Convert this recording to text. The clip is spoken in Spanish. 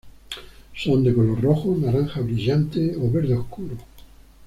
Son de color rojo, naranja brillante o verde oscuro.